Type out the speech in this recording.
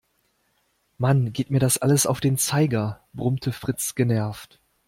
Mann, geht mir das alles auf den Zeiger, brummte Fritz genervt.